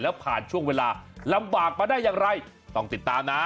แล้วผ่านช่วงเวลาลำบากมาได้อย่างไรต้องติดตามนะ